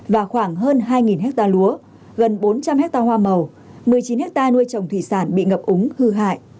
và khoảng hơn hai hecta lúa gần bốn trăm linh hecta hoa màu một mươi chín hecta nuôi trồng thủy sản bị ngập úng hư hại